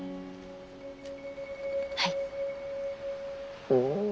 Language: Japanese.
はい。